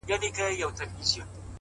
نیک اخلاق د خلکو په یاد پاتې کېږي,